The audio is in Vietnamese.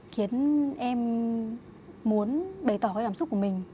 khiến em muốn bày tỏ cái cảm xúc của mình